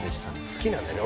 好きなんだね